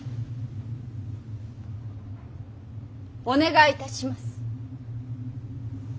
お願いいたします。